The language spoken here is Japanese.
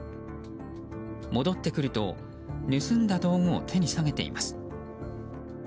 戻ってくると盗んだ道具を手に提げています。